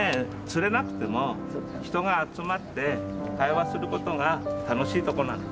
釣れなくても人が集まって会話することが楽しいとこなの。